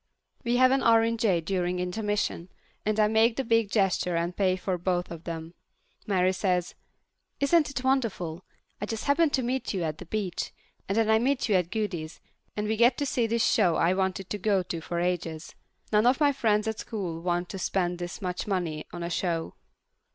We have an orangeade during intermission, and I make the big gesture and pay for both of them. Mary says, "Isn't it wonderful! I just happened to meet you at the beach, and then I meet you at Goody's, and we get to see this show that I've wanted to go to for ages. None of my friends at school want to spend this much money on a show."